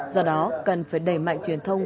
do đó cần phải đẩy mạnh truyền thông